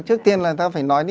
trước tiên là ta phải nói